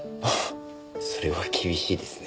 それは厳しいですね。